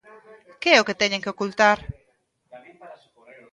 ¿Que é o que teñen que ocultar?